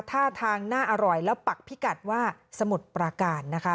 ท่าทางน่าอร่อยแล้วปักพิกัดว่าสมุทรประการนะคะ